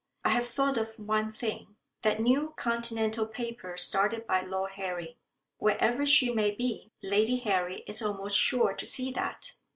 I have thought of one thing that new Continental paper started by Lord Harry. Wherever she may be, Lady Harry is almost sure to see that.